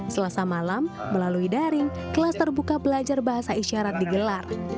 selasa malam melalui daring kelas terbuka belajar bahasa isyarat digelar